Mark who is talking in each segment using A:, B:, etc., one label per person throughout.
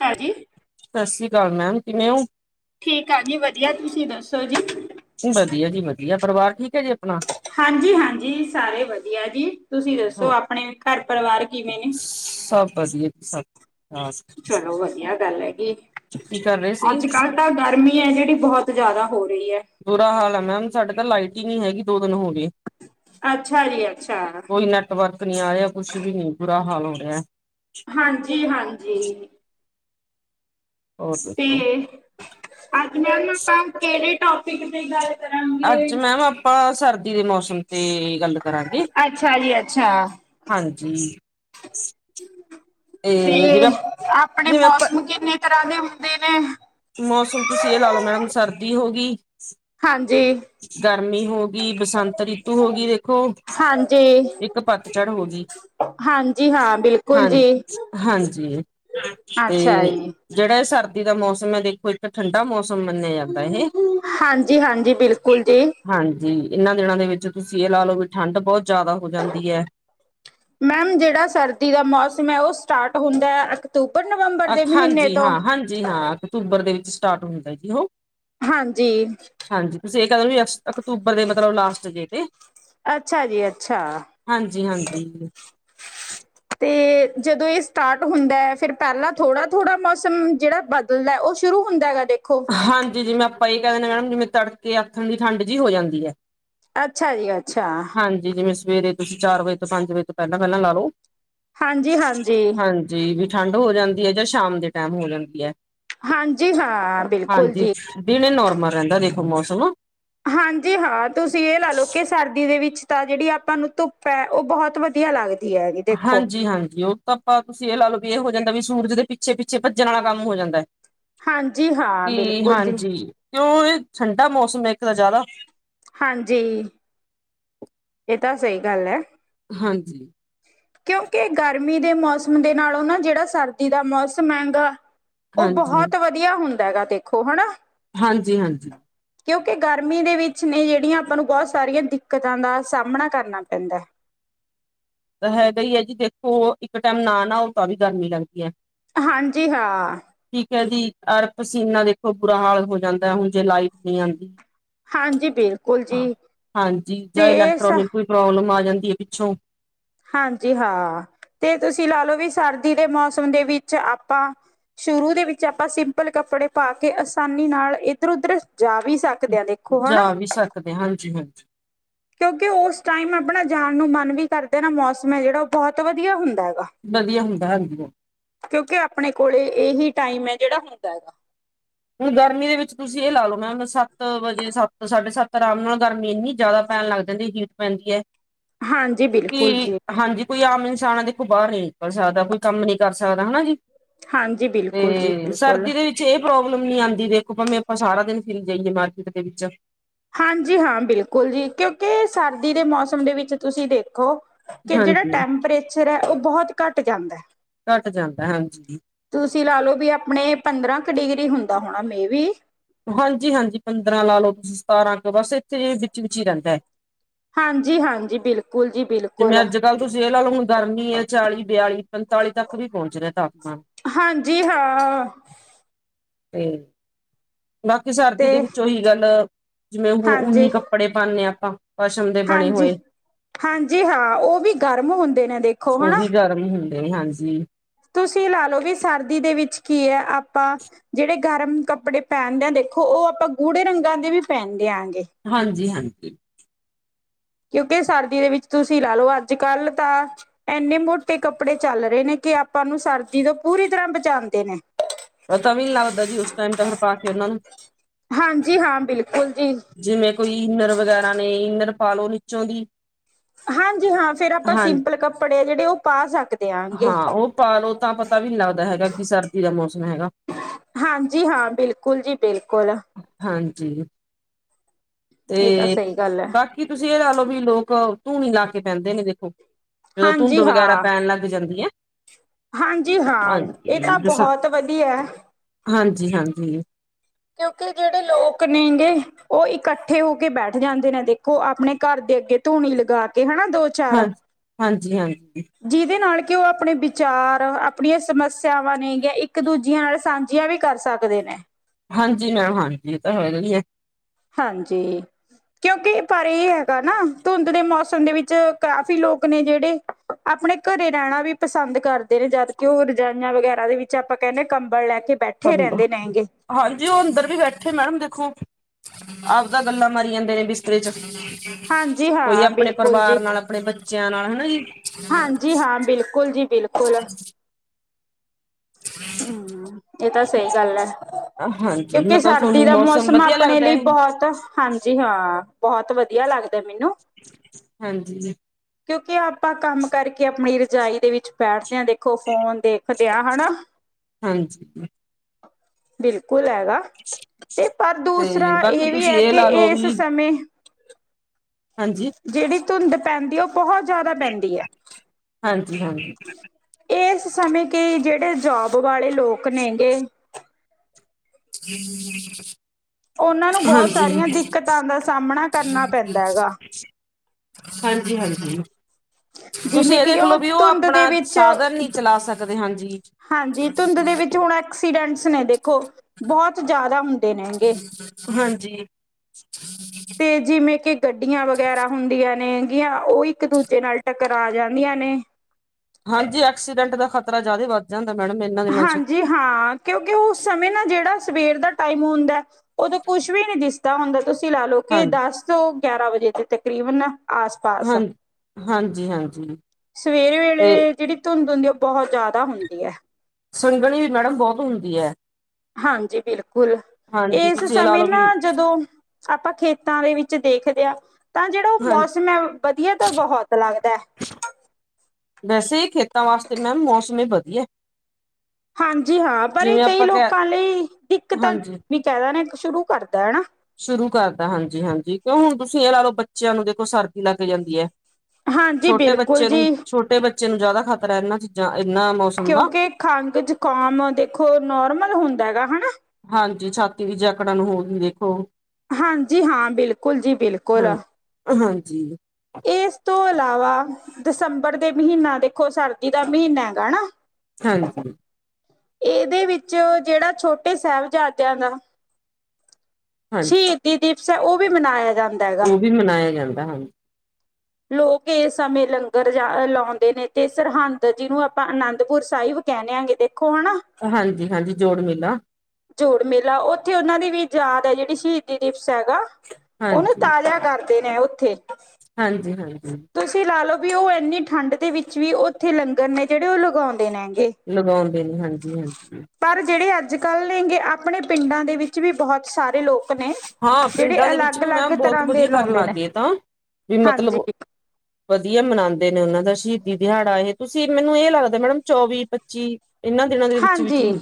A: ਹਾਂਜੀ
B: ਸਤਿ ਸ੍ਰੀ ਅਕਾਲ ਮੈਮ ਕਿਵੇਂ ਹੋ?
A: ਠੀਕ ਆ ਜੀ ਵਧੀਆ ਤੁਸੀਂ ਦੱਸੋ ਜੀ
B: ਵਧੀਆ ਜੀ ਵਧੀਆ ਪਰਿਵਾਰ ਠੀਕ ਹੈ ਜੀ ਆਪਣਾ
A: ਹਾਂਜੀ ਹਾਂਜੀ ਸਾਰੇ ਵਧੀਆ ਜੀ ਤੁਸੀਂ ਦੱਸੋ
B: ਹੋ
A: ਆਪਣੇ ਘਰ ਪਰਿਵਾਰ ਕਿਵੇਂ ਨੇ?
B: ਸਭ ਵਧੀਆ। ਸਭ ਹਾਂ
A: ਚਲੋ ਵਧੀਆ ਗੱਲ ਹੈ ਕਿ
B: ਕੀ ਕਰ ਰਹੇ ਸੀ?
A: ਅੱਜ ਕੱਲ੍ਹ ਤਾਂ ਗਰਮੀ ਹੈ ਜਿਹੜੀ ਬਹੁਤ ਜ਼ਿਆਦਾ ਹੋਰ
B: ਬੁਰਾ ਹਾਲ ਹੈ ਮੈਮ ਸਾਡੇ ਤਾਂ ਲਾਈਟਿੰਗ ਨ ਹੈਗੀ ਦੋ ਦਿਨ ਹੋ ਗਹੀ
A: ਅੱਛਾ ਜੀ ਅੱਛਾ
B: ਕੋਈ ਨੈਟਵਰਕ ਨਹੀਂਆ ਰਿਹਾ ਕੁਛ ਵੀ ਨੀ ਬੁਰਾ ਹਾਲ [inaudible]
A: ਹਾਂਜੀ ਹਾਂਜੀ
B: ਹੋਰ
A: ਤੇ
B: ਦੱਸੋ?
A: ਅੱਜ ਮੈਮ ਆਪਾਂ ਕਿਹੜੇ ਟੋਪਿਕ ਦੀ ਗੱਲ
B: ਅੱਜ
A: ਕਰਾਂਗੇ
B: ਮੈਮ ਆਪਾਂ ਸਰਦੀ ਦੇ ਮੌਸਮ ਤੇ ਗੱਲ ਕਰਾਂਗੇ
A: ਅੱਛਾ ਜੀ ਅੱਛਾ
B: ਹਾਂਜੀ
A: ਤੇ ਆਪਣੇ
B: ਜਿਵੇਂ ਆਪਾਂ
A: ਮੌਸਮ ਕਿੰਨੇ ਤਰ੍ਹਾਂ ਦੇ ਹੁੰਦੇ ਨੇ
B: ਮੌਸਮ ਤੁਸੀਂ ਇਹ ਲਾ ਲੋੋ ਮੈਡਮ ਸਰਦੀ ਹੋ ਗਈ
A: ਹਾਂਜੀ
B: ਗਰਮੀ ਹੋ ਗਈ ਬਸੰਤ ਰਿਤੂ ਹੋ ਗਈ ਦੇਖੋ
A: ਹਾਂਜੀ
B: ਇੱਕ ਪਤਝੜ ਹੋ ਗਈ
A: ਹਾਂਜੀ ਹਾਂ ਬਿਲਕੁਲ
B: ਹਾਂ
A: ਜੀ।
B: ਹਾਂਜੀ ਤੇ
A: ਅੱਛਾ ਜੀ।
B: ਜਿਹੜਾ ਇਹ ਸਰਦੀ ਦਾ ਮੌਸਮ ਹੈ ਦੇਖੋ ਇੱਕ ਠੰਡਾ ਮੌਸਮ ਮੰਨਿਆ ਜਾਂਦਾ ਹੈ
A: ਹਾਂਜੀ ਹਾਂਜੀ ਬਿਲਕੁਲ ਜੀ।
B: ਹਾਂਜੀ ਜੀ ਇਹਨਾਂ ਦਿਨਾਂ ਦੇ ਵਿੱਚ ਤੁਸੀਂ ਇਹ ਲਾ ਲੋਓ ਵੀ ਠੰਢ ਬਹੁਤ ਜ਼ਿਆਦਾ ਹੋ ਜਾਂਦੀ ਹੈ
A: ਮੈਮ ਜਿਹੜਾ ਸਰਦੀ ਦਾ ਮੌਸਮ ਹੈ ਉਹ ਸਟਾਰਟ ਹੁੰਦਾ ਹੈ ਅਕਤੂਬਰ ਨਵੰਬਰ
B: ਅ
A: ਦੇ ਮਹੀਨੇ
B: ਹਾਂਜੀ ਹਾਂ
A: ਤੋਂ।
B: ਹਾਂਜੀ ਹਾਂ ਅਕਤੂਬਰ ਦੇ ਵਿੱਚ ਸਟਾਰਟ ਹੁੰਦਾ ਜੀ ਉਹ
A: ਹਾਂਜੀ
B: ਕਹਿੰਵੀ ਅਕਤੂਬਰ ਦੇ ਮਤਲਬ ਲਾਸਟ ਡੇ ਤੇ
A: ਅੱਛਾ ਜੀ ਅੱਛਾ
B: ਜੀ ਹਾਂਜੀ
A: ਅਤੇ ਜਦੋਂ ਇਹ ਸਟਾਰਟ ਹੁੰਦਾ ਫਿਰ ਪਹਿਲਾਂ ਥੋੜ੍ਹਾ ਥੋੜ੍ਹਾ ਮੌਸਮ ਜਿਹੜਾ ਬਦਲਦਾ ਉਹ ਸ਼ੁਰੂ ਹੁੰਦਾ ਹੁੰਦਾ ਹੈਗਾ ਦੇ
B: ਹਾਂਜੀ ਜਿਵੇਂ ਆਪਾਂ ਇਹ ਕਹਿ ਦਿੰਦੇ ਮੈਡਮ ਜਿਵੇਂ ਤੜਕੇ ਆਥਣ ਦੀ ਠੰਡ ਜਿਹੀ ਹੋ ਜਾਂਦੀ ਹੈ
A: ਅੱਛਾ ਜੀ ਅੱਛਾ।
B: ਹਾਂਜੀ ਜਿਵੇਂ ਸਵੇਰੇ ਤੁਸੀਂ ਚਾਰ ਵਜੇ ਤੋਂ ਪੰਜ ਵਜੇ ਤੋਂ ਪਹਿਲਾਂ-ਪਹਿਲਾਂ ਲਾ ਲੋੋ,
A: ਹਾਂਜੀ ਹਾਂਜੀ
B: ਹਾਂਜੀ ਠੰਡ ਹੋ ਜਾਂਦੀ ਹੈ ਜਾਂ ਸ਼ਾਮ ਦੇ ਟਾਈਮ ਹੋ ਜਾਂਦੀ ਏ।
A: ਹਾਂਜੀ ਹਾਂ ਬਿਲਕੁਲ
B: ਹਾਂਜੀ
A: ਜੀ।
B: ਦਿਨ ਨੋਰਮਲ ਰਹਿੰਦਾ ਦੇਖੋ ਮੌਸਮ।
A: ਹਾਂਜੀ ਹਾਂ ਤੁਸੀਂ ਇਹ ਲਾ ਲਓ ਕਿ ਸਰਦੀ ਦੇ ਵਿੱਚ ਤਾਂ ਜਿਹੜੀ ਆਪਾਂ ਨੂੰ ਧੁੱਪ ਹੈ ਉਹ ਬਹੁਤ ਵਧੀਆ ਲੱਗਦੀ। ਹੈ ਜੀ ਦੇਖੋ
B: ਹਾਂਜੀ-ਹਾਂਜੀ ਉਹ ਤਾਂ ਆਪਾਂ ਤੁਸੀਂ ਇਹ ਲਾ ਲਓ ਵੀ ਇਹ ਹੋ ਜਾਂਦਾ ਵੀ ਸੂਰਜ ਦੇ ਪਿੱਛੇ-ਪਿੱਛੇ ਭੱਜਣ ਵਾਲਾ ਕੰਮ ਹੋ ਜਾਂਦਾ।
A: ਹਾਂਜੀ ਹਾਂ
B: ਕੀ
A: ਬਿਲਕੁਲ ਜੀ
B: ਹਾਂਜੀ ਕਿਉਂ ਇਹ ਠੰਡਾ ਮੌਸਮ ਹੈ ਇੱਕ ਤਾਂ ਜ਼ਿਆਦਾ
A: ਹਾਂਜੀ ਇਹ ਤਾਂ ਸਹੀ ਗੱਲ ਐ।
B: ਹਾਂਜੀ
A: ਕਿਉਂਕਿ ਗਰਮੀ ਦੇ ਮੌਸਮ ਦੇ ਨਾਲੋਂ ਨਾ ਜਿਹੜਾ ਸਰਦੀ ਦਾ ਮੌਸਮ ਹੈਗਾ ਉਹ ਬਹੁਤ ਵਧੀਆ ਹੁੰਦਾ ਗਾ ਦੇਖੋ ਹਨਾ।
B: ਹਾਂਜੀ-ਹਾਂਜੀ
A: ਕਿਉਂਕਿ ਗਰਮੀ ਦੇ ਵਿੱਚ ਨੇ ਜਿਹੜੀਆਂ ਆਪਾਂ ਨੂੰ ਬਹੁਤ ਸਾਰੀਆਂ ਦਿੱਕਤਾਂ ਦਾ ਸਾਹਮਣਾ ਕਰਨਾ ਪੈਂਦਾ।
B: ਤਾਂ ਹੈਗਾ ਹੀ ਹੈ ਜੀ ਦੇਖੋ ਇੱਕ ਟਾਈਮ ਨਾ ਨਾਓ ਤਾਂ ਵੀ ਗਰਮੀ ਲੱਗਦੀ ਏ।
A: ਹਾਂਜੀ ਹਾਂ
B: ਠੀਕ ਹੈ ਜੀ [unintelligible] ਪਸੀਨਾ ਦੇਖੋ ਬੁਰਾ ਹਾਲ ਹੋ ਜਾਂਦਾ ਹੁਣ ਜੇ ਲਾਈਟ ਨਹੀਂ ਆਂਦੀ।
A: ਹਾਂਜੀ ਬਿਲਕੁਲ ਜੀ
B: ਹਾਂਜੀ ਜਾਂ
A: ਤੇ ਸ
B: ਇਲੈਕਟ੍ਰੋਨਿਕ ਕੋਈ ਪ੍ਰੋਬਲਮ ਆ ਜਾਂਦੀ ਹੈ ਪਿੱਛੋਂ
A: ਹਾਂਜੀ ਹਾਂ ਤੇ ਤੁਸੀਂ ਲਾਾਲੋ ਵੀ ਸਰਦੀ ਦੇ ਮੌਸਮ ਦੇ ਵਿੱਚ ਆਪਾਂ ਸ਼ੁਰੂ ਦੇ ਵਿੱਚ ਆਪਾਂ ਸਿੰਪਲ ਕੱਪ ਕੱਪੜੇ ਪਾ ਕੇ ਆਸਾਨੀ ਨਾਲ ਇੱਧਰ-ਉਧਰ ਜਾ ਵੀ ਸਕਦੇ ਆ ਦੇਖੋ ਹਨਾ।
B: ਜਾ ਵੀ ਸਕਦੇ [unintelligible]
A: ਕਿਉਂਕਿ ਉਸ ਟਾਈਮ ਆਪਣਾ ਜਾਣ ਨੂੰ ਮਨ ਵੀ ਕਰਦੇ ਨਾ ਮੌਸਮ ਹੈ ਜਿਹੜਾ ਉਹ ਬਹੁਤ ਵਧੀਆ ਹੁੰਦਾ।
B: ਵਧੀਆ ਹੁੰਦਾ ਹਾਂਜੀ
A: ਕਿਉਂਕਿ ਆਪਣੇ ਕੋਲੇ ਇਹੀ ਟਾਈਮ ਹੈ ਜਿਹੜਾ ਹੁੰਦਾ ਹੈਗਾ।
B: ਹੁਣ ਗਰਮੀ ਦੇ ਵਿੱਚ ਤੁਸੀਂ ਇਹ ਲਾ ਲਓ ਮੈਮ ਸੱਤ ਵਜੇ ਸੱਤ ਸਾਡੇ ਸੱਤ ਆਰਾਮ ਨਾਲ ਗਰਮੀ ਇੰਨੀ ਜ਼ਿਆਦਾ ਪੈਣ ਲੱਗ ਜਾਂਦੀ ਹੀਟ ਪੈਂਦੀ ਐ।
A: ਹਾਂਜੀ ਬਿਲਕੁਲ ਜੀ।
B: ਕੋਈ ਆਮ ਇਨਸਾਨ ਦੇਖੋ ਬਾਹਰ ਨੀ ਨਿਕਲ ਸਕਦਾ ਕੋਈ ਕੰਮ ਨੀ ਕਰ ਸਕਦਾ ਹਨਾ ਜੀ।
A: ਹਾਂਜੀ ਬਿਲਕੁਲ ਜੀ
B: ਤੇ
A: ਬਿਲਕੁਲ
B: ਸਰਦੀ ਦੇ ਵਿੱਚ ਇਹ ਪ੍ਰੋਬ ਹਾਂਜੀ ਵੇਖੋ ਭਾਵੇਂ ਆਪਾਂ ਸਾਰਾ ਦਿਨ ਫਿਰੀ ਜਾਈਏ ਮਾਰਕੀਟ ਦੇ ਵਿੱਚ।
A: ਹਾਂਜੀ ਹਾਂ ਬਿਲਕੁਲ ਜੀ ਕਿਉਂਕਿ ਸਰਦੀ ਦੇ ਮੌਸਮ ਦੇ ਵਿੱਚ ਤੁਸੀਂ ਦੇਖੋ ਕਿ ਜਿਹੜਾ
B: ਹਾਂਜੀ
A: ਟੈਂਪਰੇਚਰ ਹੈ ਉਹ ਬਹੁਤ ਘੱਟ ਜਾਂਦਾ।
B: ਘੱਟ ਜਾਂਦਾ ਹਾਂਜੀ
A: ਤੁਸੀਂ ਲਾ ਲੋ ਵੀ ਆਪਣੇ ਪੰਦਰਾਂ ਕੁ ਡਿਗਰੀ ਹੁੰਦਾ ਹੋਣਾ ਮੇ ਬੀ।
B: ਹਾਂਜੀ-ਹਾਂਜੀ ਪੰਦਰਾਂ ਲਾ ਲਓ ਤੁਸੀਂ ਸਤਾਰਾਂ ਕੇ ਬਸ ਇੱਥੇ ਵਿੱਚ-ਵਿਚ ਹੀ ਰਹਿੰਦਾ।
A: ਹਾਂਜੀ ਹਾਂਜੀ ਬਿਲਕੁਲ ਜੀ ਬਿਲਕੁਲ
B: ਜਿਵੇਂ ਅੱਜ ਕੱਲ੍ਹ ਤੁਸੀਂ ਇਹ ਲਾ ਲਓ ਹੁਣ ਗਰਮੀ ਹੈ ਚਾਲੀ ਬਿਆਲੀ ਪੰਤਾਲੀ ਤੱਕ ਵੀ ਪਹੁੰਚ ਰਿਹਾ ਤਾਪਮਾਨ।
A: ਹਾਂਜੀ ਹਾਂ।
B: ਤੇ ਬਾਕੀ ਸਰਦੀ
A: ਤੇ
B: ਦੇ ਵਿੱਚ ਉਹੀ ਗੱਲ ਜਿਵੇਂ ਹੁਣ ਊਨੀ
A: ਹਾਂਜੀ
B: ਕੱਪੜੇ ਪਾਨੇ ਆ ਆਪਾਂ ਪਸ਼ਮ ਦੇ ਬਣੇ
A: ਹਾਂਜੀ
B: ਹੋਏ।
A: ਹਾਂਜੀ ਹਾਂ ਉਹ ਵੀ ਗਰਮ ਹੁੰਦੇ ਨੇ ਦੇਖੋ
B: ਉਹ
A: ਹਨਾ।
B: ਵੀ ਗਰਮ ਹੁੰਦੇ ਹਾਂਜੀ
A: ਤੁਸੀਂ ਲਾ ਲੋ ਵੀ ਸਰਦੀ ਦੇ ਵਿੱਚ ਕੀ ਹੈ ਆਪਾਂ ਜਿਹੜੇ ਗਰਮ ਕੱਪੜੇ ਪਹਿਨਦੇ ਆ ਦੇ ਦੇਖੋ ਉਹ ਆਪਾਂ ਗੂੜੇ ਰੰਗਾਂ ਦੇ ਵੀ ਪਹਿਨ
B: ਹਾਂਜੀ ਹਾਂਜੀ
A: ਕਿਉਂਕਿ ਸਰਦੀ ਦੇ ਵਿੱਚ ਤੁਸੀਂ ਲਾ ਲ ਅੱਜ ਕੱਲ ਤਾਂ ਇੰਨੇ ਮੋਟੇ ਕੱਪੜੇ ਚੱਲ ਰਹੇ ਨੇ ਕਿ ਆਪਾਂ ਨੂੰ ਸਰਦੀ ਤੋਂ ਪੂਰੀ ਤਰ੍ਹਾਂ ਬਚਾਉਂਦੇ ਨੇ
B: ਤਵਨ ਲਾਲ ਉਸ ਟਾਈਮ ਤ ਮੈਂ
A: ਹਾਂਜੀ ਹਾਂ ਬਿਲਕੁਲ ਜੀ
B: ਜਿਵੇਂ ਕੋਈ ਇਨਰ ਵਗੈਰਾ ਨੇ ਇਨਰ ਪਾ ਲੋ ਨੀਚੋਂ ਦੀ
A: ਹਾਂਜੀ ਹਾਂ ਫੇਰ ਆਪਾਂ
B: ਹਾਂਜੀ
A: ਸਿੰਪਲ ਕੱਪੜੇ ਆ ਜਿਹੜੇ ਉਹ ਪਾ ਸਕਦੇ ਆਂਗੇ
B: ਹਾਂ ਉਹ ਪਾਲੋ ਤਾਂ ਪਤਾ ਵੀ ਨਹੀਂ ਲੱਗਦਾ ਹੈਗਾ ਕਿ ਸਰਦੀ ਦਾ ਮੌਸਮ ਹੈਗਾ
A: ਹਾਂਜੀ ਹਾਂ ਬਿਲਕੁਲ ਜੀ ਬਿਲਕੁਲ
B: [inaudible]
A: ਇਹ ਤਾਂ
B: ਤੇ
A: ਸਹੀ ਗੱਲ ਹੈ
B: ਬਾਕੀ ਤੁਸੀਂ ਇਹ ਲਾ ਲਓ ਵੀ ਲੋਕ ਧੂਣੀ ਲਾ ਕੇ ਪੈਂਦੇ ਨੇ ਦੇਖੋ ਜਦੋਂ ਧੁੰਦ
A: ਹਾਂਜੀ
B: ਵਗੈਰਾ
A: ਹਾਂ
B: ਪੈਣ ਲੱਗ ਜਾਂਦੀ ਹੈ
A: ਹਾਂਜੀ ਹਾਂ ਇਹ
B: ਹਾਂਜੀ
A: ਤਾਂ
B: ਦਸਾਂ
A: ਬਹੁਤ ਵਧੀਆ
B: ਹਾਂਜੀ ਹਾਂਜੀ
A: ਕਿਉਂਕਿ ਜਿਹੜੇ ਲੋਕ ਨੇਗੇੇ ਉਹ ਇਕੱਠੇ ਹੋ ਕੇ ਬੈਠ ਜਾਂਦੇ ਨੇ ਦੇਖੋ ਆਪਣੇ ਘਰ ਦੇ ਅੱਗੇ ਧੂਣੀ ਲਗਾ ਕੇ ਹਨਾ ਦੋ ਚਾਰ
B: ਹਾਂ ਹਾਂਜੀ ਹਾਂਜੀ
A: ਜਿਹਦੇ ਨਾਲ ਕਿ ਉਹ ਆਪਣੇ ਵਿਚਾਰ ਆਪਣੀਆਂ ਸਮੱਸਿਆਵਾਂ ਨੇ ਇੱਕ ਦੂਜੀਆਂ ਨਾਲ ਸਾਂਝੀਆਂ ਵੀ ਕਰ ਸਕਦੇ ਨੇ।
B: ਹਾਂਜੀ ਮੈਮ ਹਾਂਜੀ ਇਹ ਤਾਂ ਹੈਗਾ ਹੈ।
A: ਹਾਂਜੀ। ਕਿਉਂਕਿ ਪਰ ਇਹ ਹੈਗਾ ਨਾ ਧੁੰਦ ਦੇ ਮੌਸਮ ਦੇ ਵਿੱਚ ਕਾਫੀ ਲੋਕ ਨੇ ਜਿਹੜੇ ਆਪਣੇ ਘਰੇ ਰਹਿਣਾ ਵੀ ਪਸੰਦ ਕਰਦੇ ਨੇ ਜਦਕਿ ਉਹ ਰਜਾਈਆਂ ਵਗੈਰਾ ਦੇ ਵਿੱਚ ਆਪਾਂ ਕਹਿੰਦੇ ਕੰਬਲ ਲੈ ਕੇ ਬੈਠੇ ਰਹਿੰਦੇ ਨੇਗੇ
B: ਹਾਂਜੀ ਉਹ ਅੰਦਰ ਵੀ ਬੈਠੇ ਮੈਡਮ ਦੇਖੋ। ਆਪ ਤਾਂ ਗੱਲਾਂ ਮਾਰੀ ਜਾਂਦੇ ਨੇ ਬਿਸਤਰੇ ਚ।
A: ਹਾਂਜੀ
B: ਕੋਈ
A: ਹਾਂ
B: ਆਪਣੇ
A: ਬਿਲਕੁਲ ਜੀ।
B: ਪਰਿਵਾਰ ਨਾਲ ਆਪਣੇ ਬੱਚਿਆਂ ਨਾਲ ਹਨਾ ਜੀ।
A: ਹਾਂਜੀ ਹਾਂ ਬਿਲਕੁਲ ਜੀ ਬਿਲਕੁਲ। ਹਮ ਇਹ ਤਾਂ ਸਹੀ ਗੱਲ ਹੈ।
B: ਹਾਂਜੀ
A: ਕਿਉਂਕਿ
B: ਮਤਲਬ
A: ਸਰਦੀ
B: ਤੁਹਾਨੂੰ
A: ਦਾ ਮੌਸਮ
B: ਵਧੀਆ
A: ਆਪਣੇ
B: ਲੱਗਦਾ ਹੈ
A: ਲਈ ਬਹੁਤ ਹਾਂਜੀ ਹਾਂ। ਬਹੁਤ ਵਧੀਆ ਲੱਗਦਾ ਮੈਨੂੰ।
B: ਹਾਂਜੀ।
A: ਕਿਉਂਕਿ ਆਪਾਂ ਕੰਮ ਕਰਕੇ ਆਪਣੀ ਰਜਾਈ ਦੇ ਵਿੱਚ ਬੈਠਦੇ ਹਾਂ ਦੇਖੋ ਫੋਨ ਦੇਖਦੇ ਹਾਂ ਹਨਾ।
B: ਹਾਂਜੀ।
A: ਬਿਲਕੁਲ ਹੈਗਾ ਅਤੇ ਪਰ
B: ਤੇ
A: ਦੂਸਰਾ ਇਹ
B: ਬਾਕੀ
A: ਵੀ
B: ਤੁਸੀਂ
A: ਹੈ ਕਿ
B: ਲਾ ਲਓ
A: ਇਸ
B: ਵੀ
A: ਸਮੇਂ
B: ਹਾਂਜੀ।
A: ਜਿਹੜੀ ਧੁੰਦ ਪੈਂਦੀ ਹੈ ਉਹ ਬਹੁਤ ਜ਼ਿਆਦਾ ਪੈਂਦੀ ਹੈ।
B: ਹਾਂਜੀ ਹਾਂਜੀ
A: ਇਸ ਸਮੇ ਕ ਜਿਹੜੇ ਜੋਬ ਵਾਲੇ ਲੋਕ ਨੇ ਗੇ
B: ਹਮ।
A: ਉਹਨਾਂ ਨੂੰ ਬਹੁਤ
B: ਹਾਂਜੀ।
A: ਸਾਰੀਆਂ ਦਿੱਕਤਾਂ ਦਾ ਸਾਹਮਣਾ ਕਰਨਾ ਪੈਂਦਾ ਹੈਗਾ
B: ਹਾਂਜੀ ਹਾਂਜੀ। ਤੁਸੀਂ
A: ਜਿਵੇਂ
B: ਇਹ
A: ਕਿ
B: ਦੇਖਲਓ ਵੀ ਉਹ
A: ਧੁੰਦ ਦੇ
B: ਆਪਣਾ
A: ਵਿੱਚ
B: ਸਾਧਨ ਨਹੀਂ ਚਲਾ ਸਕਦੇ ਹਾਂਜੀ।
A: ਹਾਂਜੀ ਧੁੰਦ ਦੇ ਵਿੱਚ ਹੁਣ ਐਕਸੀਡੈਂਟਸ ਨੇ ਦੇਖੋ ਬਹੁਤ ਜ਼ਿਆਦਾ ਹੁੰਦੇ। ਨੇਗੇ
B: ਹਾਂਜੀ।
A: ਤੇ ਜਿਵੇਂ ਕਿ ਗੱਡੀਆਂ ਵਗੈਰਾ ਹੁੰਦੀਆਂ ਨੇ ਹੈਗੀਆਂ ਉਹ ਇੱਕ ਦੂਜੇ ਨਾਲ ਟੱਕਰ ਆ ਜਾਂਦੀਆਂ ਨੇ।
B: ਹਾਂਜੀ ਐਕਸੀਡੈਂਟ ਦਾ ਖ਼ਤਰਾ ਜ਼ਿਆਦਾ ਵੱਧ ਜਾਂਦਾ। ਮੈਡਮ ਇਹਨਾਂ ਦਿਨਾਂ ਚ
A: ਹਾਂਜੀ ਹਾਂ ਕਿਉਂਕਿ ਉਸ ਸਮੇਂ ਨਾ ਜਿਹੜਾ ਸਵੇਰ ਦਾ ਟਾਈਮ ਹੁੰਦਾ ਉਦੋਂ ਕੁਛ ਵੀ ਨੀ ਦਿਸਦਾ ਹੁੰਦਾ ਤੁਸੀਂ ਲਾ ਲਓ ਕਿ
B: ਹਾਂਜੀ
A: ਦੱਸ ਗਿਆਰਾਂ ਵਜੇ ਤੇ ਤਕਰੀਬਨ। ਆਸ-ਪਾਸ,
B: ਹਾਂ ਹਾਂਜੀ ਹਾਂਜੀ
A: ਸਵੇਰੇ
B: ਤੇ
A: ਵੇਲੇ ਜਿਹੜੀ ਧੁੰਦ ਧੁੰਦ ਹੁੰਦੀ ਆ ਬਹੁਤ ਜਿਆਦਾ ਹੁੰਦੀ ਏ।
B: ਸੁਣਗਣੀ ਵੀ ਮੈਡਮ ਬਹੁਤ ਹੁੰਦੀ ਹੈ।
A: ਹਾਂਜੀ ਬਿਲਕੁਲ।
B: ਹਾਂਜੀ
A: ਇਸ
B: ਤੁਸੀਂ ਇਹ ਲਾ
A: ਸਮੇਂ
B: ਲਓ ਵੀ
A: ਨਾ ਜਦੋਂ, ਆਪਾਂ ਖੇਤਾਂ ਦੇ ਵਿੱਚ ਦੇਖਦੇ ਹਾਂ, ਤਾਂ ਜਿਹੜਾ ਉਹ
B: ਹਾਂ
A: ਮੌਸਮ ਹੈ ਵਧੀਆ ਤਾਂ ਬਹੁਤ ਲੱਗਦਾ।
B: ਵੈਸੇ ਇਹ ਖੇਤਾਂ ਵਾਸਤੇ ਮੈਮ ਮੌਸਮ ਇਹ ਵਧੀਆ।
A: ਹਾਂਜੀ ਹਾਂ ਪਰ ਇਹ
B: ਜਿਵੇਂ
A: ਕਈ
B: ਆਪਾਂ ਕਹਿ
A: ਲੋਕਾਂ ਲਈ ਦਿੱਕਤ
B: ਹਾਂਜੀ
A: ਵੀ ਕਹਿ ਦੇ ਨੇ। ਸ਼ੁਰੂ ਕਰਦਾ ਹਨਾ।
B: ਸ਼ੁਰੂ ਕਰਦਾ ਹਾਂਜੀ-ਹਾਂਜੀ ਕਿਉਂ ਹੁਣ ਤੁਸੀਂ ਇਹ ਲਾ ਲਓ ਬੱਚਿਆਂ ਨੂੰ ਦੇਖੋ ਸਰਦੀ ਲੱਗ ਜਾਂਦੀ ਐ।
A: ਹਾਂਜੀ
B: ਛੋਟੇ
A: ਬਿਲਕੁਲ
B: ਬੱਚੇ ਨੂੰ
A: ਜੀ
B: ਛੋਟੇ ਬੱਚੇ ਨੂੰ ਜ਼ਿਆਦਾ ਖ਼ਤਰਾ ਇਹਨਾਂ ਚੀਜ਼ਾਂ। ਇਹਨਾਂ ਮੌਸਮ ਦਾ
A: ਕਿਉਂਕਿ ਖੰਘ ਜ਼ੁਕਾਮ ਦੇਖੋ ਨੋਰਮਲ ਹੁੰਦਾ ਗਾ।
B: ਹਾਂਜੀ ਛਾਤੀ ਵੀ ਜੈਕੜਨ ਹੋਗੀ ਦੇਖੋ।
A: ਹਾਂਜੀ ਹਾਂ ਬਿਲਕੁਲ ਜੀ ਬਿਲਕੁਲ।
B: ਹਾਂ ਹਾਂਜੀ।
A: ਇਸ ਤੋਂ ਇਲਾਵਾ, ਦਸੰਬਰ ਦੇ ਮਹੀਨਾ ਦੇਖੋ ਸਰਦੀ ਦਾ ਮਹੀਨਾ ਹੈਗਾ ਹਨਾ।
B: ਹਾਂਜੀ
A: ਇਹਦੇ ਵਿੱਚ ਜਿਹੜਾ ਛੋਟੇ ਸਾਹਿਬਜ਼ਾਦਿਆਂ ਦਾ
B: ਹਾਂਜੀ
A: ਸ਼ਹੀਦੀ ਦਿਵਸ ਹੈ ਉਹ ਵੀ ਮਨਾਇਆ ਜਾਂਦਾ। ਹੈਗਾ
B: ਉਹ ਵੀ ਮਨਾਇਆ ਜਾਂਦਾ ਹਾਂਜੀ।
A: ਲੋਕ ਇਸ ਸਮੇਂ ਲੰਗਰ ਜਾ ਲਾਉਂਦੇ ਨੇ ਤੇ ਸਰਹੰਦ ਜਿਹਨੂੰ ਆਪਾਂ ਅਨੰਦਪੁਰ ਸਾਹਿਬ ਕਹਿਣਿਆਂਗੇ ਤੇ
B: ਹਾਂਜੀ-ਹਾਂਜੀ ਜੋੜ ਮੇਲਾ।
A: ਜੋੜ ਮੇਲਾ ਉੱਥੇ ਉਹਨਾਂ ਦੀ ਵੀ ਯਾਦ ਹੈ ਜਿਹੜੀ ਸ਼ਹੀਦੀ ਦਿਵਸ ਹੈਗਾ। ਉਹਨੂੰ
B: ਹਾਂਜੀ
A: ਤਾਜ਼ਾ ਕਰਦੇ ਨੇ ਉੱਥੇ
B: ਹਾਂਜੀ ਹਾਂਜੀ
A: ਤੁਸੀਂ ਲਾ ਲੋ ਵੀ ਉਹ ਇੰਨੀ ਠੰਡ ਦੇ ਵਿੱਚ ਵੀ ਉੱਥੇ ਲੰਗਰ ਨੇ ਜਿਹੜੇ ਉਹ ਲਗਾਉ ਦੇ ਨੇਗੇ।
B: ਲਗਾਉਂਦੇ ਨੇ ਹਾਂਜੀ ਹਾਂਜੀ
A: ਪਰ ਜਿਹੜੇ ਅੱਜ ਅੱਜ-ਕੱਲ੍ਹ ਨੇਗੇ ਆਪਣੇ ਪਿੰਡਾਂ ਦੇ ਵਿੱਚ ਵੀ ਬਹੁਤ ਸਾਰੇ ਜਿਹੜੇ ਲੋਕ ਨੇ,
B: ਹਾਂ
A: ਜਿਹੜੇ
B: ਪਿੰਡਾਂ ਦੇ ਵਿੱਚ ਵੀ
A: ਅਲੱਗ-ਅਲੱਗ
B: ਮੈਮ ਬਹੁਤ
A: ਤਰ੍ਹਾਂ ਦੇ
B: ਵਧੀਆ ਕਰਨ
A: ਲਾਉਂਦੇ
B: ਲੱਗ
A: ਨੇ।
B: ਗਏ ਤਾਂ ਵੀ
A: ਹਾਂਜੀ,
B: ਮਤਲਬ ਵਧੀਆ ਮਨਾਉਂਦੇ ਨੇ ਉਹਨਾਂ ਦਾ ਸ਼ਹੀਦੀ ਦਿਹਾੜਾ ਇਹ ਤੁਸੀਂ ਮੈਨੂੰ ਇਹ ਲੱਗਦਾ ਮੈਡਮ ਚੌਵੀ-ਪੱਚੀ
A: ਹਾਂਜੀ,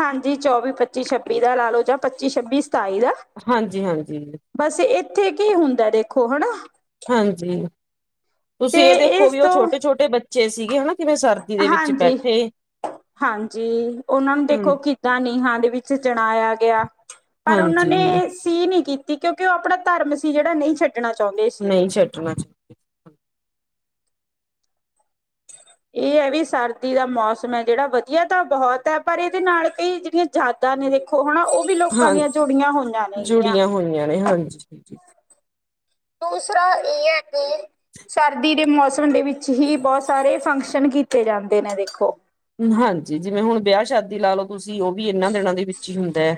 A: ਹਾਂਜੀ ਚੌਵੀ, ਪੱਚੀ, ਛੱਬੀ ਦਾ ਲਾ ਲੋ ਜਾਂ ਪੱਚੀ ਛੱਬੀ ਸਤਾਈ ਦਾ,
B: ਹਾਂਜੀ ਹਾਂਜੀ
A: ਬਸ ਇੱਥੇ ਕੀ ਹੁੰਦਾ ਦੇਖੋ ਹੈਨਾ।
B: ਹਾਂਜੀ ਤੁਸੀਂ ਇਹ ਦੇਖੋ ਵੀ ਉਹ ਛੋਟੇ-ਛੋਟੇ ਬੱਚੇ ਸੀਗੇ ਹਨਾ ਕਿਵੇਂ ਸਰਦੀ ਦੇ ਵਿੱਚ
A: ਹਾਂਜੀ
B: ਬੈਠੇ।
A: ਹਾਂਜੀ ਉਹਨਾਂ ਨੂੰ
B: ਹਾਂ
A: ਦੇਖੋ ਕਿੱਦਾਂ ਨੀਹਾਂ ਦੇ ਵਿੱਚ ਚਣਾਇਆ ਗਿਆ। ਪਰ ਉਹਨਾਂ
B: ਹਾਂਜੀ
A: ਨੇ ਸੀ ਨਹੀਂ ਕੀਤੀ ਕਿਉਂਕਿ ਉਹ ਆਪਣਾ ਧਰਮ ਸੀ ਜਿਹੜਾ ਨਹੀਂ ਛੱਡ ਕੱਢਣਾ ਚਾਹੁੰਦੇ ਸੀ ਤੇ
B: ਨਹੀਂ ਛੱਡਣਾ [inaudible]
A: ਇਹ ਐ ਵੀ ਸਰਦੀ ਦਾ ਮੌਸਮ ਹੈ ਜਿਹੜਾ ਵਧੀਆ ਤਾਂ ਬਹੁਤ ਹੈ ਪਰ ਇਹਦੇ ਨਾਲ ਕਈ ਜਿਹੜੀਆਂ ਯਾਦਾਂ ਨੇ ਦੇਖੋ ਹੁਣ ਉਹ ਵੀ ਲੋਕਾਂ
B: ਹਾਂ
A: ਦੀਆਂ ਜੁੜੀਆਂ ਹੋਈਆਂ ਨੇਗੀਆਂ।
B: ਜੁੜੀਆਂ ਹੋਈਆਂ ਨੇ ਹਾਂਜੀ
A: ਦੂਸਰਾ ਇਹ ਆ ਕਿ ਸਰਦੀ ਦੇ ਮੌਸਮ ਦੇ ਵਿੱਚ ਹੀ ਬਹੁਤ ਸਾਰੇ ਫੰਕਸ਼ਨ ਕੀਤੇ ਜਾਂਦੇ ਨੇ ਦੇਖੋ।
B: ਹਾਂਜੀ ਜਿਵੇਂ ਹੁਣ ਵਿਆਹ ਸ਼ਾਦੀ ਲਾ ਲਓ ਤੁਸੀਂ ਉਹ ਵੀ ਇਹਨਾਂ ਦਿਨਾਂ ਦੇ ਵਿੱਚ ਹੀ ਹੁੰਦੇ।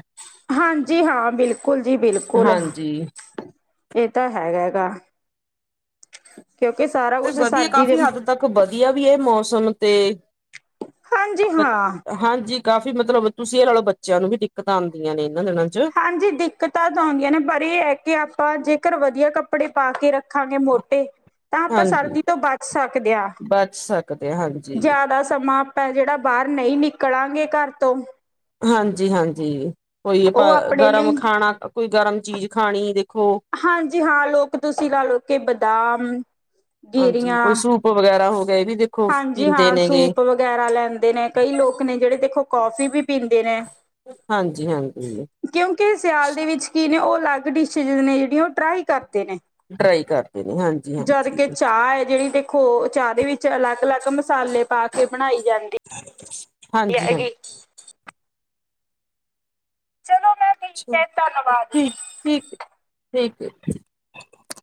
A: ਹਾਂਜੀ ਹਾਂ ਬਿਲਕੁਲ ਜੀ ਬਿਲਕੁਲ,
B: ਹਾਂਜੀ
A: ਇਹ ਤਾਂ ਹੈਗਾ ਗਾ। ਕਿਉਂਕਿ ਸਾਰਾ ਕੁਛ
B: ਵਧੀਆ
A: ਸਰਦੀ
B: ਕਾਫ਼ੀ
A: ਦੇ
B: ਹੱਦ ਤੱਕ ਵਧੀਆ ਵੀ ਏ ਮੌਸਮ ਤੇ
A: ਹਾਂਜੀ
B: ਬ
A: ਹਾਂ
B: ਹਾਂਜੀ ਕਾਫ਼ੀ ਮਤਲਬ ਤੁਸੀਂ ਇਹ ਲਾ ਲੋ ਬੱਚਿਆਂ ਨੂੰ ਵੀ ਦਿੱਕਤਾਂ ਆਂਦੀਆ ਨੇ। ਇਹਨਾਂ ਦਿਨਾਂ ਚ
A: ਹਾਂਜੀ ਦਿੱਕਤਾਂ ਤਾਂ ਆਉਂਦੀਆਂ ਨੇ ਪਰ ਇਹ ਹੈ ਕਿ ਆਪਾਂ ਜੇਕਰ ਵਧੀਆ ਕੱਪੜੇ ਪਾ ਕੇ ਰੱਖ ਰੱਖਾਂਗੇ ਮੋਟੇ, ਤਾਂ ਆਪਾਂ
B: ਹਾਂਜੀ
A: ਸਰਦੀ ਤੋਂ ਬਚ ਸਕਦੇ ਆ।
B: ਬਚ ਸਕਦੇ ਆ ਹਾਂਜੀ
A: ਜ਼ਿਆਦਾ ਸਮਾਂ ਆਪਾਂ ਜਿਹੜਾ ਬਾਹਰ ਨਹੀਂ ਨਿਕਲਾਂਗੇ ਘਰ ਤੋਂ।
B: ਹਾਂਜੀ-ਹਾਂਜੀ ਕੋਈ ਆਪਾਂ
A: ਉਹ ਆਪਣੇ
B: ਗਰਮ
A: ਲਈ
B: ਖਾਣਾ ਕੋਈ ਗਰਮ ਚੀਜ਼ ਖਾਣੀ ਦੇ
A: ਹਾਂਜੀ ਹਾਂ ਲੋਕ ਤੁਸੀਂ ਲਾ ਲੋ ਕਿ ਬਦਾਮ
B: ਹਾਂਜੀ
A: ਗਿਰੀਆਂ
B: ਕੋਈ ਸੂਪ ਵਗੈਰਾ ਹੋ ਗਿਆ ਇਹ ਵੀ ਦੇਖੋ
A: ਹਾਂਜੀ
B: ਪੀਂਦੇ
A: ਹਾਂ
B: ਨੇ ਗੇ
A: ਸੂਪ ਵਗੈਰਾ ਲੈਂਦੇ ਨੇ ਕਈ ਲੋਕ ਨੇ ਜਿਹੜੇ ਦੇਖੋ ਕੌਫੀ ਵੀ ਪੀਂਦੇ ਨੇ
B: ਹਾਂਜੀ ਹਾਂਜੀ
A: ਕਿਉਂਕਿ ਸਿਆਲ ਦੇ ਵਿੱਚ ਕੀ ਨੇ ਉਹ ਅਲੱਗ ਡਿਸ਼ਜ ਨੇ ਜਿਹੜੀਆਂ ਉਹ ਟਰਾਈ ਕਰ ਨੇ
B: ਡਰਾਈ ਕਰਦੇ ਨੇ ਹਾਂਜੀ
A: ਜਦ
B: ਹਾਂਜੀ
A: ਕਿ ਚਾਹ ਹੈ ਜਿਹੜੀ ਦੇਖੋ ਚਾਹ ਦੇ ਵਿੱਚ ਅਲੱਗ ਅਲੱਗ ਮਸਾਲੇ ਪਾ ਕੇ ਬਣਾਈ ਜਾਂਦੀ
B: ਹਾਂਜੀ ਹਾਂਜੀ
A: ਹੈਗੀ ਚਲੋ ਮੈਂ ਠੀਕ
B: ਆਸ਼ਾ
A: ਹੈ ਧੰਨਵਾਦ ਜੀ।
B: ਠੀਕ ਠੀਕ ਠੀਕ